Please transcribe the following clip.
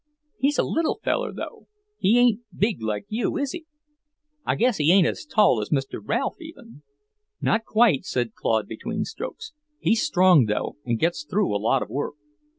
He's a little feller, though. He ain't big like you, is he? I guess he ain't as tall as Mr. Ralph, even." "Not quite," said Claude between strokes. "He's strong, though, and gets through a lot of work."